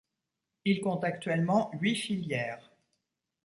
Il compte actuellement huit filières.